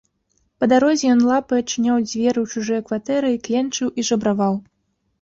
Па дарозе ён лапай адчыняў дзверы ў чужыя кватэры і кленчыў і жабраваў.